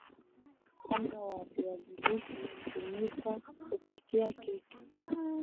unga wa viazi lishe utatumiak kupikia keki